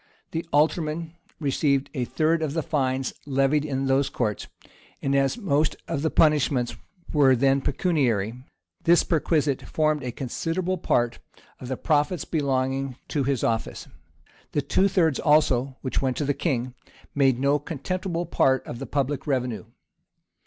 The aldermen received a third of the fines levied in those courts;[] and as most of the punishments were then pecuniary, this perquisite formed a considerable part of the profits belonging to his office. The two thirds also, which went to the king, made no contemptible part of the public revenue.